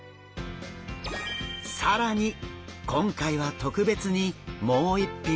更に今回は特別にもう一品。